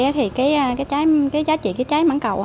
giá trị trái mảng cầu